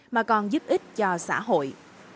mà còn giúp ích cho xã hội